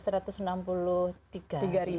satu ratus enam puluh tiga ribu rumah tangga